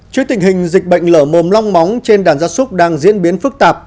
trước tình hình dịch bệnh lở mồm long móng trên đàn gia súc đang diễn biến phức tạp